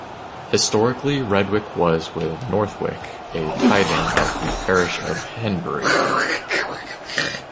Historically Redwick was, with Northwick, a tything of the parish of Henbury.